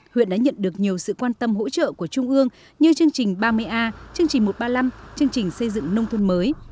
huyện đã nhận được nhiều sự quan tâm hỗ trợ của trung ương như chương trình ba mươi a chương trình một trăm ba mươi năm chương trình xây dựng nông thôn mới